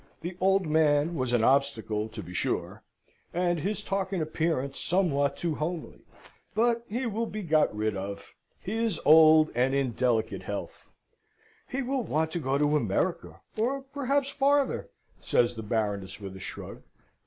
The old man was an obstacle, to be sure, and his talk and appearance somewhat too homely. But he will be got rid of. He is old and in delicate health. "He will want to go to America, or perhaps farther," says the Baroness, with a shrug.